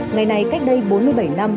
ngày này cách đây bốn mươi bảy năm